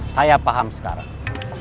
saya paham sekarang